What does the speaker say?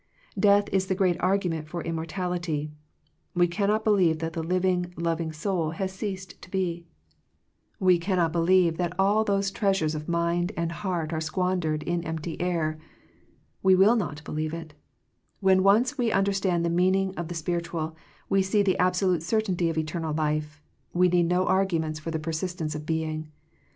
Death is the great argument for im mortality. We cannot believe that the living, loving soul has ceased to be. We 125 Digitized by VjOOQIC THE ECLIPSE OF FRIENDSHIP cannot believe that all those treasures of mind and heart are squandered in empty air. We will not believe it When once we understand the meaning of the spirit« ual, we see the absolute certainty of eter nal life; we need no arguments for the persistence of being.